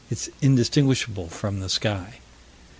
It's indistinguishable from the sky.